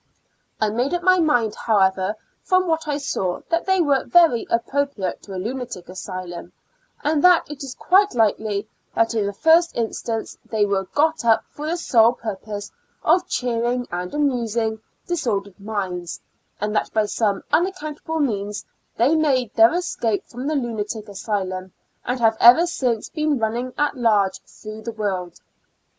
I made up m}' mind, however, from what I saw, that they were very appropriate to a lunatic asylum, and that it is quite likely that in the first instance they were got up for the sole pur pose of cheering and amusing disordered minds, and that by some unaccountable means they made their escape from the lunatic asylum, and have ever since been running at large through the world.